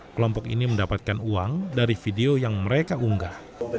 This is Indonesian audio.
kelompok ini mendapatkan uang dari video yang mereka unggah